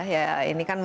ya ini kan memang